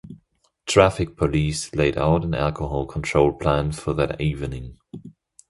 Traffic police laid out an alcohol control plan for that evening.